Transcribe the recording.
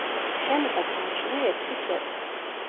შენობას გააჩნია ექვსი სვეტი.